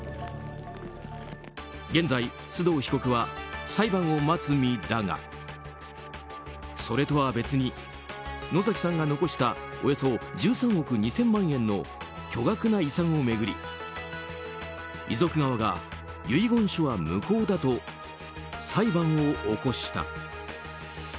現在、須藤被告は裁判を待つ身だがそれとは別に野崎さんが残したおよそ１３億２０００万円の巨額な遺産を巡り遺族側が遺言書は無効だと裁判を起こした。